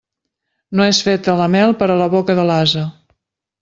No és feta la mel per a la boca de l'ase.